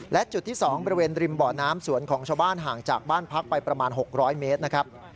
และจุดที่๒บริเวณริมบ่อน้ำสวนของชาวบ้านห่างจากบ้านพักไปประมาณ๖๐๐เมตรนะครับ